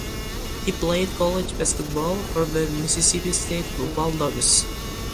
He played college basketball for the Mississippi State Bulldogs.